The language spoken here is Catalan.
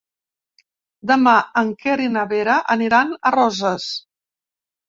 Demà en Quer i na Vera aniran a Roses.